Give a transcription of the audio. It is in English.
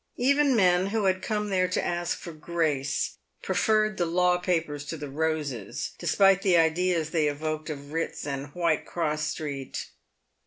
Even men who had come there to ask for grace, preferred the law papers to the roses, despite the ideas they evoked of writs and Whitecross street.